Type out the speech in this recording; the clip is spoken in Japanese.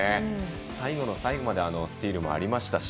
最後の最後までスチールもありましたし。